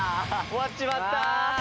終わっちまった！